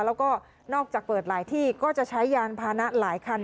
แล้วก็นอกจากเปิดหลายที่ก็จะใช้ยานพานะหลายคัน